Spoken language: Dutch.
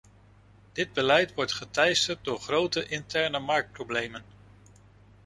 Dit beleid wordt geteisterd door grote internemarktproblemen.